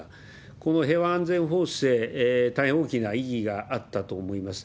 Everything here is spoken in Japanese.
この平和安全法制、大変大きな意義があったと思います。